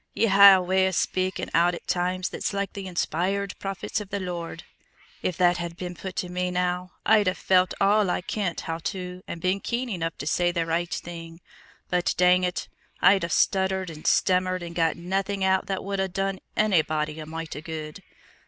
Ye hae a way o' speakin' out at times that's like the inspired prophets of the Lord. If that had been put to me, now, I'd 'a' felt all I kent how to and been keen enough to say the richt thing; but dang it, I'd 'a' stuttered and stammered and got naething out that would ha' done onybody a mite o' good.